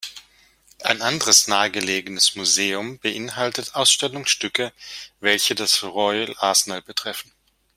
Ein anderes nahegelegenes Museum beinhaltet Ausstellungsstücke, welche das Royal Arsenal betreffen.